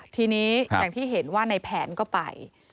ทีนี้อย่างที่เห็นว่าในแผนก็ไป